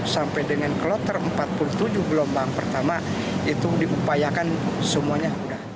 sampai dengan kloter empat puluh tujuh gelombang pertama itu diupayakan semuanya sudah